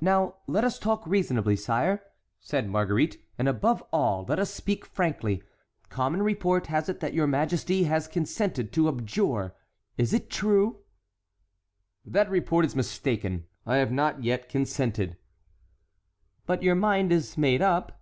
"Now let us talk reasonably, sire," said Marguerite, "and above all let us speak frankly. Common report has it that your majesty has consented to abjure. Is it true?" "That report is mistaken; I have not yet consented." "But your mind is made up?"